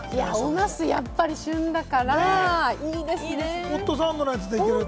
ナスはやっぱり旬ですから、いいですね。